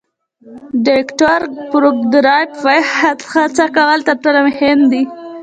ډایټر فوکودروف وایي هڅه کول تر ټولو مهم دي.